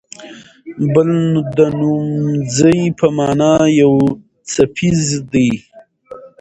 بل د نومځي په مانا یو څپیز دی.